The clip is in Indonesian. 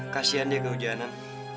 kasian dia kehujanan